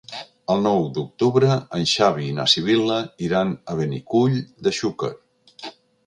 El nou d'octubre en Xavi i na Sibil·la iran a Benicull de Xúquer.